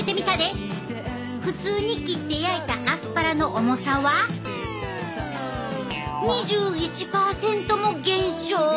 普通に切って焼いたアスパラの重さは２１％も減少。